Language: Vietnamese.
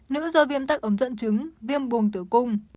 nữ do viêm tắc ấm dẫn trứng viêm buồn tử cung